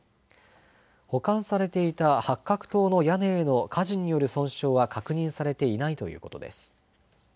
保管されていた八角塔の屋根への火事による損傷は確認されていないということです。